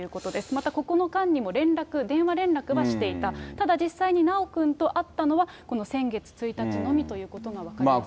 またここの間にも、連絡、電話連絡はしていた、ただ実際に修くんとあったのは、先月１日のみということが分かりますね。